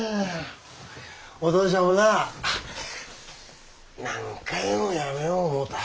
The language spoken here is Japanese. お父ちゃんもな何回もやめよう思うた。